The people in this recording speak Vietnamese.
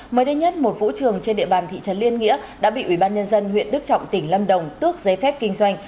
mới đây nhất một vũ trường trên địa bàn thị trấn liên nghĩa đã bị ubnd huyện đức trọng tỉnh lâm đồng tước giấy phép kinh doanh